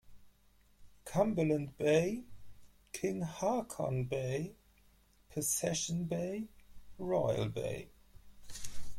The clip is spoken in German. Cumberland Bay, King Haakon Bay, Possession Bay, Royal Bay